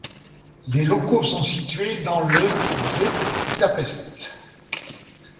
Les locaux sont situés dans le de Budapest.